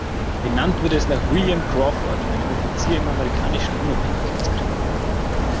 Benannt wurde es nach William Crawford, einem Offizier im Amerikanischen Unabhängigkeitskrieg.